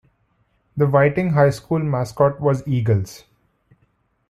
The Whiting High School mascot was Eagles.